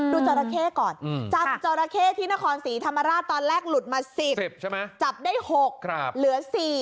ดูจอระเข้ก่อนจับจอระเข้ที่นครศรีธรรมราตตอนแรกหลุดมา๑๐จับได้๖เหลือ๔